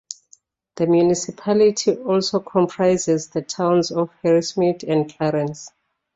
The municipality also comprises the towns of Harrismith and Clarens.